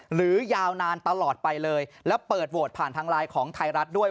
ยาวนานตลอดไปเลยแล้วเปิดโหวตผ่านทางไลน์ของไทยรัฐด้วย